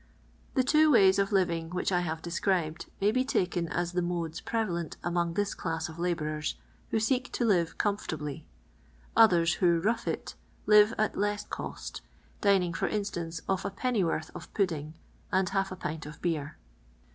The two ways of living which I have described may be taken ns the modes prevalent among this class of labourers, who seek to live "comfortably." Others who "rough it" live at less cost, dining, for instance, off a pennyworth of pudding and half a pint of beer.